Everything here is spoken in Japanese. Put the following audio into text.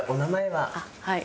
はい。